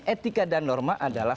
etika dan norma adalah